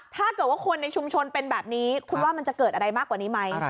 ถ้าเกิดว่าคนในชุมชนเป็นแบบนี้คุณว่ามันจะเกิดอะไรมากกว่านี้ไหม